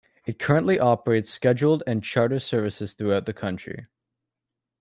It currently operates scheduled and charter services throughout the country.